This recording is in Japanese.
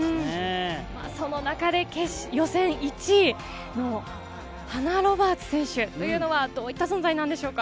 その中で予選１位のハナ・ロバーツ選手というのはどういった存在なんでしょうか。